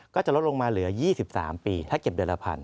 ก็จะลดลงมาเหลือ๒๓ปีถ้าเก็บเดือนละ๑๐๐